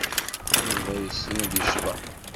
Yuba yessen ad yecḍeḥ?